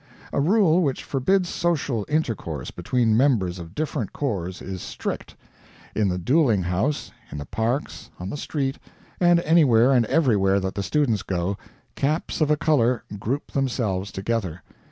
A rule which forbids social intercourse between members of different corps is strict. In the dueling house, in the parks, on the street, and anywhere and everywhere that the students go, caps of a color group themselves together.